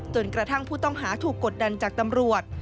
จนกระทั่งผู้ต้องหาถูกกดดันจากตำรวจ